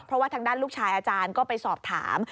เพราะว่าทางด้านลูกชายอาจารย์ก็ไปสอบถาม